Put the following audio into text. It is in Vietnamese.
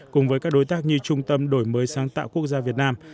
cùng với các đối tác như trung tâm đổi mới sáng tạo quốc gia việt nam